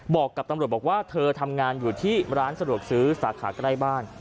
บอกกับตำรวจบอกว่าเธอทำงานอยู่ที่ร้านสะดวกซื้อสาขาใกล้บ้าน